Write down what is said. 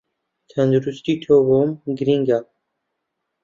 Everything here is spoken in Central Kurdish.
تەندروستی تۆ بۆم گرینگە